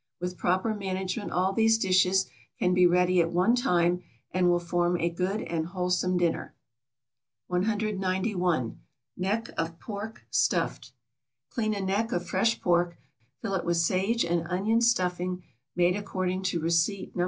With proper management all these dishes can be ready at one time, and will form a good and wholesome dinner. 191. =Neck of Pork stuffed.= Clean a neck of fresh pork, fill it with sage and onion stuffing, made according to receipt No.